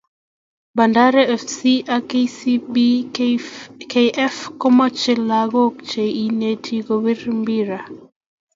Bandari fc ak Kcb kf komache lakok che inete ko pir mpire